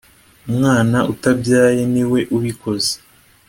umwana utabyaye niwe ubikoze